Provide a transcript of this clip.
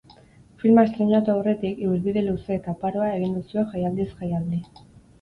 Filma estreinatu aurretik, ibilbide luze eta oparoa egin duzue jaialdiz jaialdi.